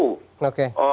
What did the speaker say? nggak akan mampu